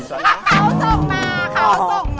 เขาส่งมา